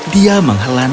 dia menghelana payungnya